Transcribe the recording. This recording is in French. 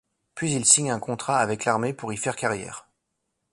Puis il signe un contrat avec l’armée pour y faire carrière.